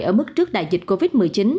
ở mức trước đại dịch covid một mươi chín